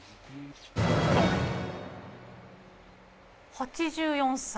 ８４歳。